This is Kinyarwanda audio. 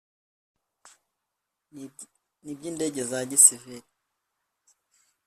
n iby indege za gisivili